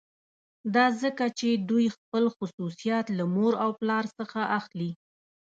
دا ځکه چې دوی خپل خصوصیات له مور او پلار څخه اخلي